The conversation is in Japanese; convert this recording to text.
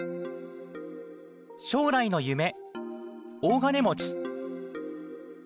将来の夢、大金持ち。